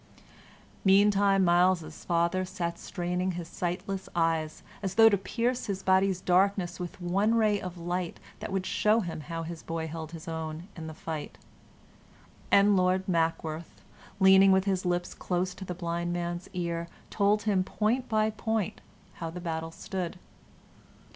Meantime Myles's father sat straining his sightless eyeballs, as though to pierce his body's darkness with one ray of light that would show him how his boy held his own in the fight, and Lord Mackworth, leaning with his lips close to the blind man's ear, told him point by point how the battle stood.